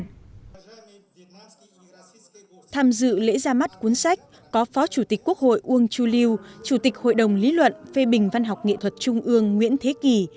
tham dự lễ ra mắt cuốn sách có phó chủ tịch quốc hội uông chu lưu chủ tịch hội đồng lý luận phê bình văn học nghệ thuật trung ương nguyễn thế kỳ